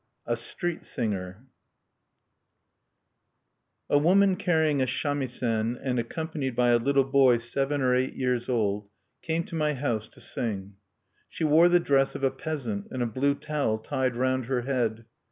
III A STREET SINGER A woman carrying a samisen, and accompanied by a little boy seven or eight years old, came to my house to sing. She wore the dress of a peasant, and a blue towel tied round her head.